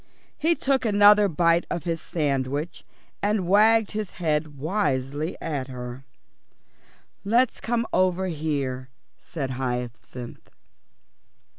He took another bite of his sandwich and wagged his head wisely at her. "Let's come over here," said Hyacinth.